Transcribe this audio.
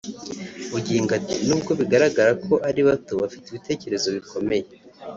Bugingo ati “Nubwo bigaragara ko ari bato bafite ibitekerezo bikomeye